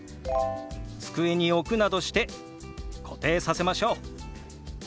机に置くなどして固定させましょう。